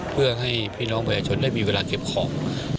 เพื่อให้พี่น้องประชาชนได้มีเวลาเก็บของ